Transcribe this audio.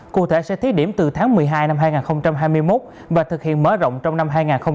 cụ thể sẽ thí điểm từ tháng một mươi hai năm hai nghìn hai mươi một và thực hiện mở rộng trong năm hai nghìn hai mươi